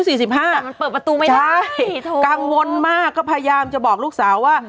มันเปิดประตูไม่ได้กังวลมากก็พยายามจะบอกลูกสาวว่า